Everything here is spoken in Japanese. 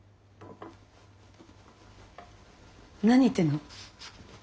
何言ってんの？